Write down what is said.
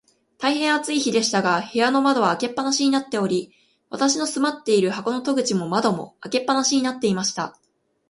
大へん暑い日でしたが、部屋の窓は開け放しになっており、私の住まっている箱の戸口も窓も、開け放しになっていました。